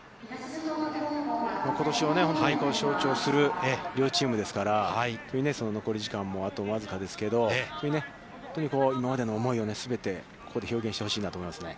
ことしを象徴する両チームですから残り時間も、あと僅かですけれども、本当に今までの思いを全て、ここで表現してほしいなと思いますね。